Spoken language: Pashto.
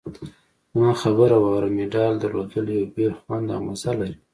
زما خبره واوره! مډال درلودل یو بېل خوند او مزه لري.